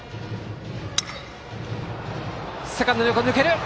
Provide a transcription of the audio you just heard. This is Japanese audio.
セカンドの横抜けた！